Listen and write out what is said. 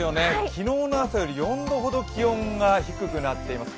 昨日の朝より４度ほど気温が低くなっています。